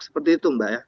seperti itu mbak ya